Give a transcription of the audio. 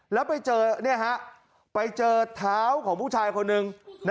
แล้วไปเจอท้าวของผู้ชายคนหนึ่ง